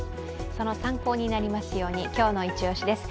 その参考になりますように、今日のイチオシです。